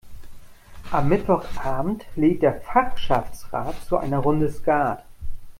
Am Mittwochabend lädt der Fachschaftsrat zu einer Runde Skat.